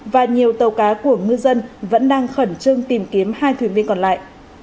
và nhiều tàu cá của ngư dân vẫn đang khẩn trương tìm kiếm hai thuyền viên còn lại